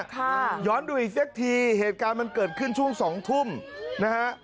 ค่ะย้อนดูอีกสักทีเหตุการณ์มันเกิดขึ้นช่วงสองทุ่มนะฮะ